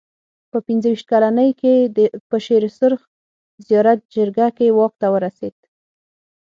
په پنځه ویشت کلنۍ کې په شېر سرخ زیارت جرګه کې واک ته ورسېد.